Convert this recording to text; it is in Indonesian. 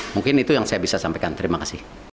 mungkin itu yang saya bisa sampaikan terima kasih